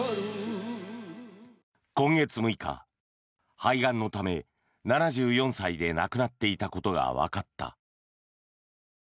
今月６日、肺がんのため７４歳で亡くなっていたことがわかった。